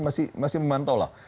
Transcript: kita masih memantau lah